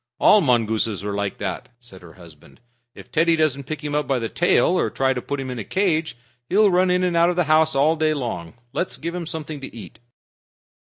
"All mongooses are like that," said her husband. "If Teddy doesn't pick him up by the tail, or try to put him in a cage, he'll run in and out of the house all day long. Let's give him something to eat."